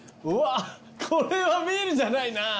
うわこれはビールじゃないな。